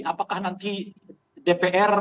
apakah nanti dpr memboleh mengizinkan merestui